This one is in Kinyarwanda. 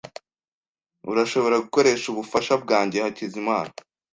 Urashobora gukoresha ubufasha bwanjye, Hakizimana .